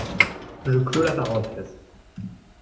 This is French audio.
Je clos la parenthèse.